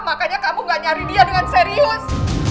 makanya kamu gak nyari dia dengan serius